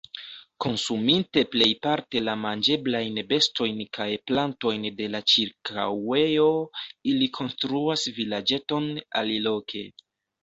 Konsuminte plejparte la manĝeblajn bestojn kaj plantojn de la ĉirkaŭejo, ili konstruas vilaĝeton aliloke.